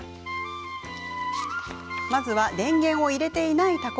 まずは、電源を入れていないたこ